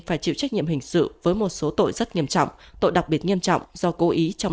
phải chịu trách nhiệm hình sự với một số tội rất nghiêm trọng tội đặc biệt nghiêm trọng do cố ý trong